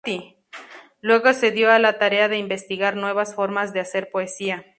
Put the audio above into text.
Luego se dio a la tarea de investigar nuevas formas de hacer poesía.